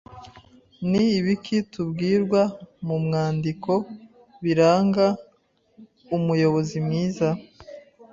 Ni ibiki tubwirwa mu mwandiko biranga umuyobozi mwiza